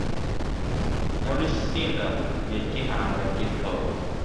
Muri cinder ya gihanga gito,